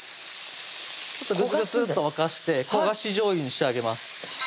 ちょっとぐつぐつっと沸かして焦がしじょうゆに仕上げます